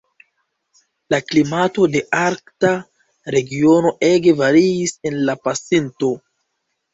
La klimato de Arkta regiono ege variis en la pasinto.